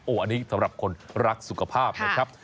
อันนี้สำหรับคนรักสุขภาพนะครับ